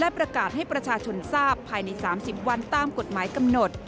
ประกาศให้ประชาชนทราบภายใน๓๐วันตามกฎหมายกำหนด